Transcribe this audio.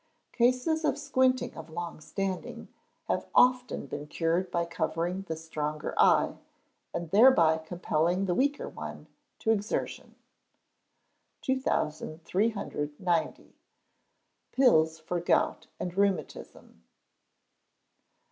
Cases of squinting of long standing have often been cured by covering the stronger eye, and thereby compelling the weaker one to exertion. 2390. Pills for Gout and Rheumatism.